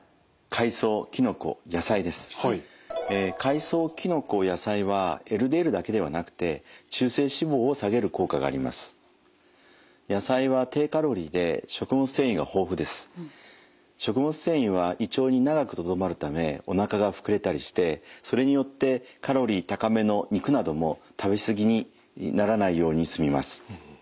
海藻きのこ野菜はＬＤＬだけではなくて食物繊維は胃腸に長くとどまるためおなかが膨れたりしてそれによってカロリー高めの肉なども食べ過ぎにならないようにすみます。